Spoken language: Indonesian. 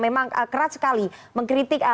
memang keras sekali mengkritik